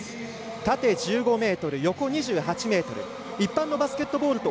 縦１５ｍ、横２８ｍ一般のバスケットボールと